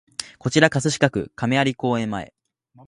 こちら葛飾区亀有公園前